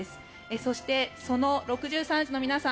そして、その６３次の皆さん